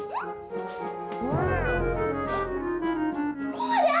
kok ga ada airnya sih